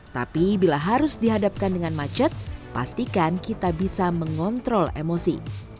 tapi bila harus dihadapkan dengan macet pastikan kita bisa mengontrol emosi